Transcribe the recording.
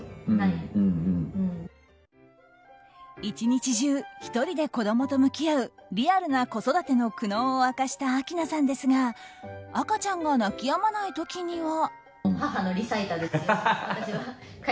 １日中、１人で子供と向き合うリアルな子育ての苦悩を明かした明奈さんですが赤ちゃんが泣きやまない時には。